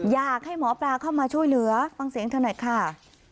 อยากให้หมอปลาเข้ามาช่วยเหลือฟังเสียงเธอหน่อยค่ะ